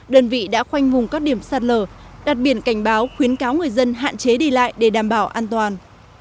đơn vị đã khoanh vùng các điểm sạt lở đặt biển cảnh báo khuyến cáo người dân hạn chế đi lại để đảm bảo an toàn